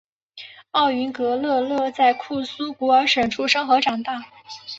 奥云格日勒在库苏古尔省出生和长大。